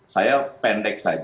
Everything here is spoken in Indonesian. saya pendek saja